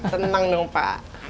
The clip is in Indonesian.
tenang dong pak